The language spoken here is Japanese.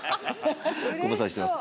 ご無沙汰してます。